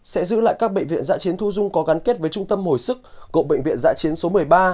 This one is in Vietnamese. sẽ giữ lại các bệnh viện dạ chiến thu dung có gắn kết với trung tâm hồi sức cộng bệnh viện dạ chiến số một mươi ba một mươi bốn một mươi sáu